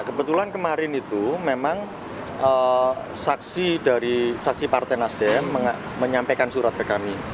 kebetulan kemarin itu memang saksi dari saksi partai nasdem menyampaikan surat ke kami